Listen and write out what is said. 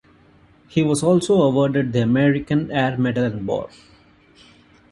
He was also awarded the American Air Medal and Bar.